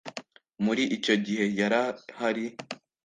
Muri icyo gihe yarahari.